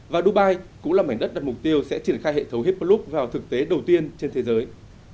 và dubai cũng là mảnh đất đặt mục tiêu sẽ triển khai hệ thống hip bloop vào thực tế đầu tiên trên thế giới